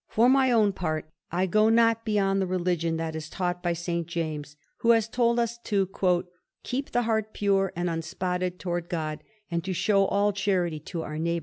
For my own part, I go not beyond the religion that is taught by St. James, who has told us to 'keep the heart pure and unspotted toward God, and to show all charity to our neighbours.